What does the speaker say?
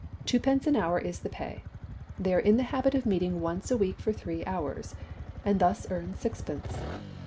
Twopence an hour is the pay. They are in the habit of meeting once a week for three hours, and thus earn sixpence.